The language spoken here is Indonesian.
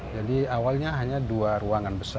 awalnya hanya dua ruangan besar